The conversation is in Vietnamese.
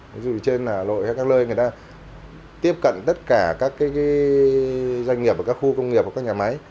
ví dụ như trên hà nội hay các lơi người ta tiếp cận tất cả các cái doanh nghiệp và các khu công nghiệp và các nhà máy